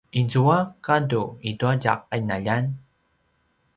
izua gadu itua tja qinaljan?